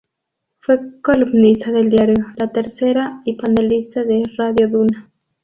Fue columnista de Diario La Tercera y panelista de Radio Duna.